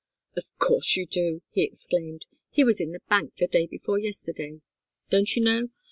"Of course you do!" he exclaimed. "He was in the bank the day before yesterday. Don't you know?